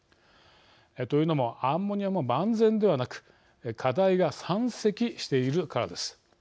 というのもアンモニアも万全ではなく課題が山積しているからです。